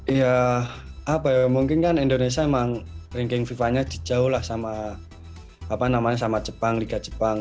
ya apa ya mungkin kan indonesia memang ranking fifa nya dijauh lah sama liga jepang